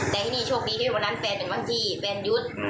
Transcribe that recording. แต่ยังมีโชคดีที่วันนั้นแบนเป็นบางทีแบนยุทธ์